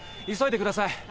急いでください。